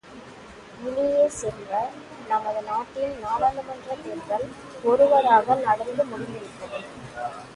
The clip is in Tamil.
இனிய செல்வ, நமது நாட்டின் நாடாளுமன்றத் தேர்தல் ஒருவாறாக நடந்து முடிந்துவிட்டது.